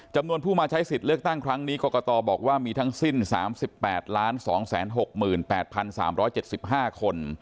จำนวนผู้มาใช้สิทธิ์เลือกตั้งครั้งนี้กรกตอบอกว่ามีทั้งสิ้นสามสิบแปดล้านสองแสนหกหมื่นแปดพันสามร้อยเจ็ดสิบห้าคน